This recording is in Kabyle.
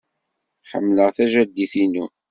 Ḥemmleɣ tajaddit-inu.